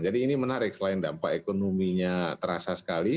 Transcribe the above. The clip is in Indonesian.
jadi ini menarik selain dampak ekonominya terasa sekali